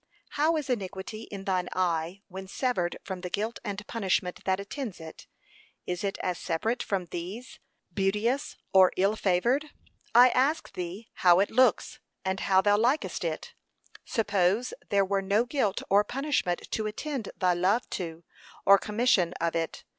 How is iniquity in thine eye, when severed from the guilt and punishment that attends it? Is it as separate from these, beauteous, or ill favoured? I ask thee how it looks, and how thou likest it, suppose there were no guilt or punishment to attend thy love to, or commission of it?